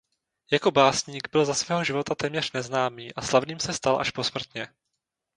Jako básník byl za svého života téměř neznámý a slavným se stal až posmrtně.